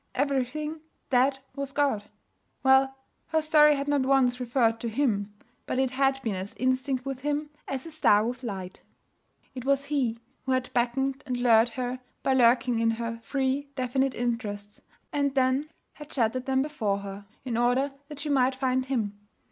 Everything: that was God. Well, her story had not once referred to Him, but it had been as instinct with Him as a star with light. It was He who had beckoned and lured her by lurking in her three definite interests, and then had shattered them before her in order that she might find Him.